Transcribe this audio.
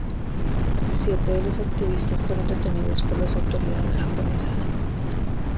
Siete de los activistas fueron detenidos por las autoridades japonesas.